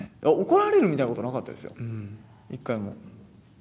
怒られるみたいなことはなかったですよ、一回も。